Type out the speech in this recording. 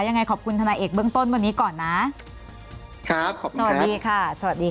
ยังไงขอบคุณธนาเอกเบื้องต้นวันนี้ก่อนนะสวัสดีค่ะสวัสดี